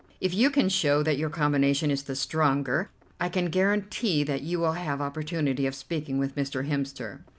If you can show that your combination is the stronger, I can guarantee that you will have opportunity of speaking with Mr. Hemster.